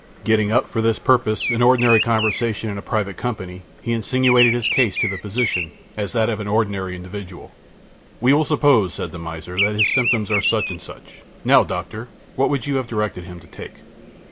Getting up, for this purpose, an ordinary conversation in a private company, he insinuated his case to the physician as that of an imaginary individual." "'We will suppose,' said the miser, 'that his symptoms are such and such; now, doctor, what would you have directed him to take?'